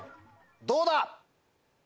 どうだ